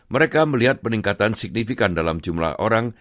mereka melihat peningkatan signifikan dalam jumlah orang